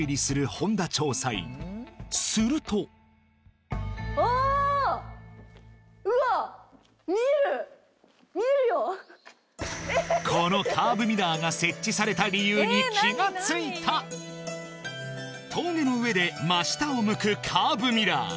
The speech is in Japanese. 本田調査員するとこのカーブミラーが設置された理由に気がついた峠の上で真下を向くカーブミラー